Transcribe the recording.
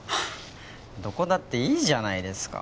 どこだっていいじゃないですか。